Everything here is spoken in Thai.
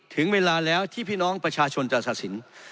ถึงเวลาแล้วที่พี่น้องประชาชนจะตัดสิน